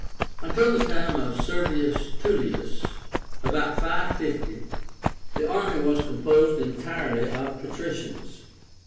Until the time of Servius Tullius (about 550) the army was composed entirely of patricians.